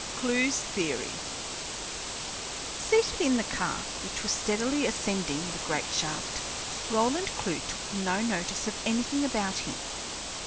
CLEWE'S THEORY Seated in the car, which was steadily ascending the great shaft, Roland Clewe took no notice of anything about him.